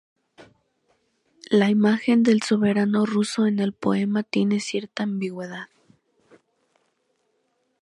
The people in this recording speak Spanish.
La imagen del soberano ruso en el poema tiene cierta ambigüedad.